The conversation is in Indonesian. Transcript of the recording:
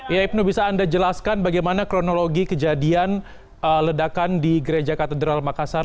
ya ibnu bisa anda jelaskan bagaimana kronologi kejadian ledakan di gereja katedral makassar